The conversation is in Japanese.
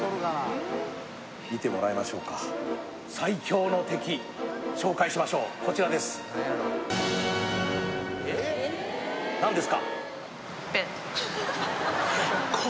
見てもらいましょうか紹介しましょうこちらです何ですか？